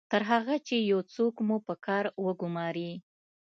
تر هغه چې یو څوک مو په کار وګماري